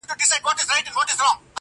خر چي پر دانه مړ سي، شهيد دئ.